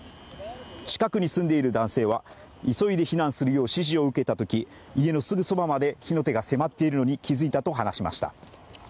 近くに住んでいる男性は、急いで避難するよう指示を受けたとき家のすぐそばまで火の手が迫っているのに気づいたと話しました。